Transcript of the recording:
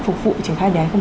phục vụ triển khai đề án sáu